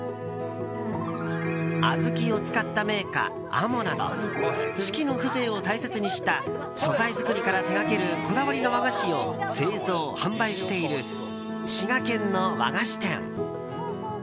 小豆を使った銘菓、あもなど四季の風情を大切にしたこだわりのお菓子を製造・販売している滋賀県の和菓子店。